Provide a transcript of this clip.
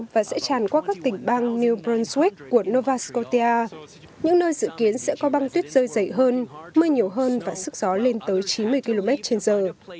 và sẽ tràn qua các tỉnh bang new bronzoich của novasota những nơi dự kiến sẽ có băng tuyết rơi dày hơn mưa nhiều hơn và sức gió lên tới chín mươi km trên giờ